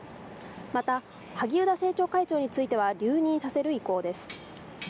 また、萩生田政調会長については留任させる意向です。